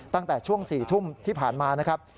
ตั้งแต่ช่วง๔ทุ่มที่ผ่านมานะครับ